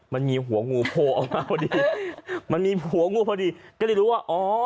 มันมีหัวงูโผล่ออกมาพอดีมันมีหัวงูพอดีก็เลยรู้ว่าอ๋อ